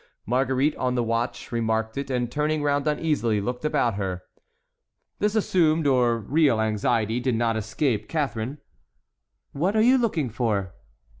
Marguerite, on the watch, remarked it, and turning round uneasily, looked about her. This assumed or real anxiety did not escape Catharine. "What are you looking for?"